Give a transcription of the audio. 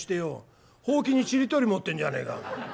ほうきにちり取り持ってんじゃねえか。